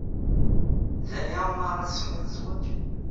D aya umi ara tsemmiḍ zzwaj?